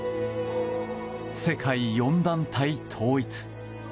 世界４団体統一。